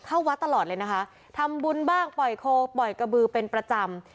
เข้าวัดตลอดเลยนะคะทำบุญบ้างปล่อยโคปล่อยกระบือเป็นประจำ